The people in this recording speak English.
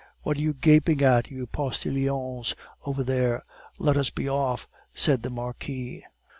"What are you gaping at, you postilions over there? Let us be off," said the Marquis.